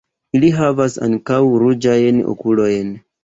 Ili havas ankaŭ ruĝajn okulojn.